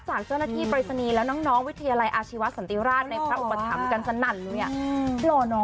จากเจ้าหน้าที่ปริศนีย์และน้องวิทยาลัยอาชีวสันติราชในพระอุปถัมภ์กันสนั่นเลยเนี่ย